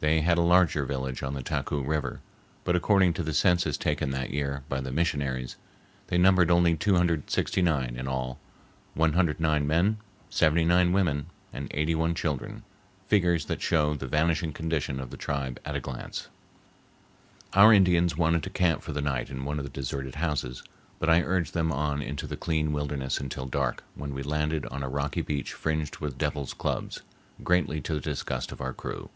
They had a larger village on the Taku River, but, according to the census taken that year by the missionaries, they numbered only 269 in all,—109 men, 79 women, and 81 children, figures that show the vanishing condition of the tribe at a glance. Our Indians wanted to camp for the night in one of the deserted houses, but I urged them on into the clean wilderness until dark, when we landed on a rocky beach fringed with devil's clubs, greatly to the disgust of our crew.